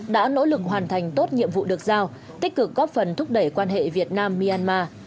đã nỗ lực hoàn thành tốt nhiệm vụ được giao tích cực góp phần thúc đẩy quan hệ việt nam myanmar